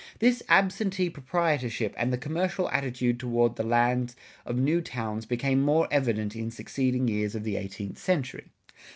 This absentee proprietorship and the commercial attitude toward the lands of new towns became more evident in succeeding years of the eighteenth century.